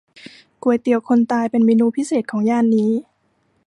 ก๋วยเตี๋ยวคนตาย เป็นเมนูพิเศษของย่านนี้